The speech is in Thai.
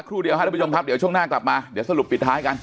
เดียวครับทุกผู้ชมครับเดี๋ยวช่วงหน้ากลับมาเดี๋ยวสรุปปิดท้ายกัน